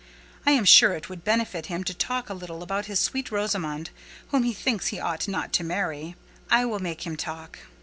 I am sure it would benefit him to talk a little about this sweet Rosamond, whom he thinks he ought not to marry: I will make him talk."